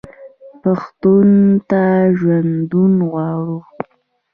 پښتون ته ژوندون غواړو.